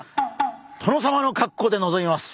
殿様の格好でのぞみます！